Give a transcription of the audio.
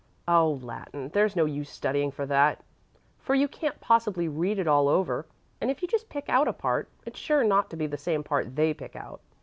"Oh, Latin! There's no use studying for that, for you can't possibly read it all over, and if you just pick out a part, it's sure not to be the same part they pick out.